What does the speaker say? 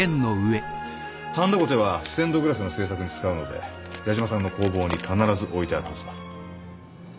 ハンダごてはステンドグラスの製作に使うので矢島さんの工房に必ず置いてあるはずだ。